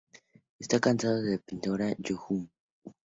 Está casado con la pintora Yu Hong.